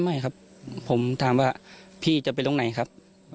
ไม่ครับผมถามว่าพี่จะไปตรงไหนครับ